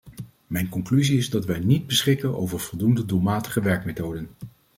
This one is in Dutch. Mijn conclusie is dat wij niet beschikken over voldoende doelmatige werkmethoden.